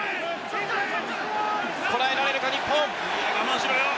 こらえられるか日本。